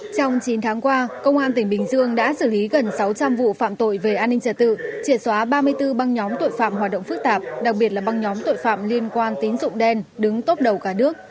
trong chín tháng qua công an tỉnh bình dương đã xử lý gần sáu trăm linh vụ phạm tội về an ninh trả tự triệt xóa ba mươi bốn băng nhóm tội phạm hoạt động phức tạp đặc biệt là băng nhóm tội phạm liên quan tín dụng đen đứng tốp đầu cả nước